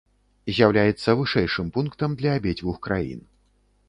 З'яўляецца вышэйшым пунктам для абедзвюх краін.